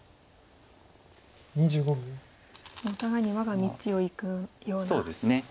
もうお互いに我が道をいくような。